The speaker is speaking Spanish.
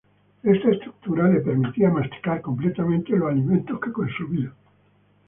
Esta estructura le permitía masticar completamente los alimentos que consumía.